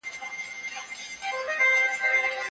ته ولې د نورو حق نه منې؟